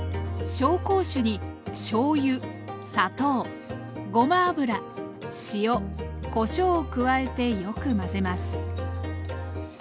紹興酒にしょうゆ砂糖ごま油塩こしょうを加えてよく混ぜます。